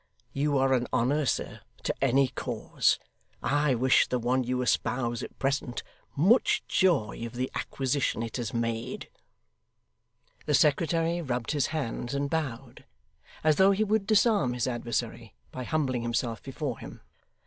You are an honour, sir, to any cause. I wish the one you espouse at present, much joy of the acquisition it has made.' The secretary rubbed his hands and bowed, as though he would disarm his adversary by humbling himself before him.